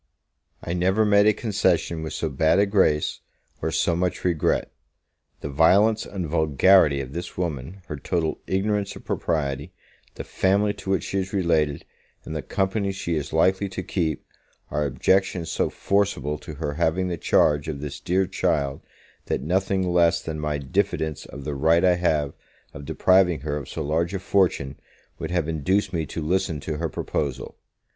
I never made a concession with so bad a grace, or so much regret. The violence and vulgarity of this woman, her total ignorance of propriety, the family to which she is related, and the company she is likely to keep, are objections so forcible to her having the charge of this dear child, that nothing less than my diffidence of the right I have of depriving her of so large a fortune, would have induced me to listen to her proposal.